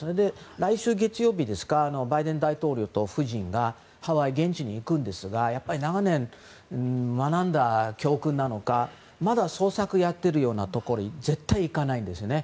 来週月曜日バイデン大統領と夫人が現地のハワイに行くんですが長年、学んだ教訓なのかまだ捜索やってるようなところに絶対行かないんですね。